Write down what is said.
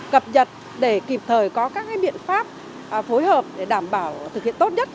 cập nhật để kịp thời có các biện pháp phối hợp để đảm bảo thực hiện tốt nhất